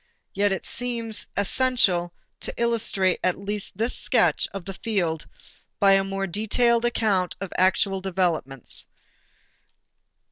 Yet it seems essential to illustrate at least this sketch of the field by a more detailed account of actual developments.